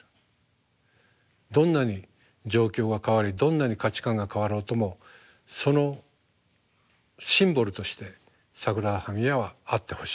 どんなに状況が変わりどんなに価値観が変わろうともそのシンボルとしてサグラダ・ファミリアはあってほしい。